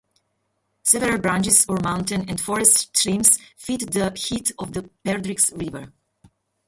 Several branches of mountain and forest streams feed the head of the Perdrix River.